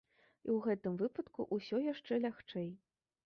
І ў гэтым выпадку ўсё яшчэ лягчэй.